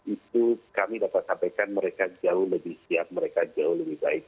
itu kami dapat sampaikan mereka jauh lebih siap mereka jauh lebih baik